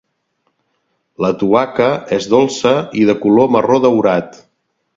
La tuaca és dolça i de color marró daurat.